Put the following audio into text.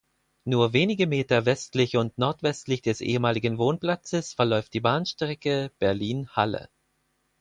Nur wenige Meter westlich und nordwestlich des ehemaligen Wohnplatzes verläuft die Bahnstrecke Berlin–Halle.